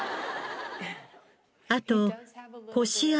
あと。